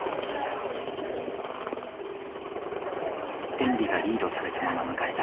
天理がリードされたまま迎えた